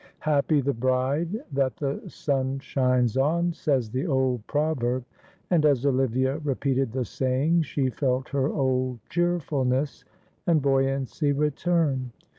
"Happy the bride that the sun shines on," says the old proverb, and as Olivia repeated the saying, she felt her old cheerfulness and buoyancy return.